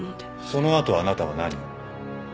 その後あなたは何を？